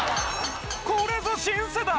これぞ新世代！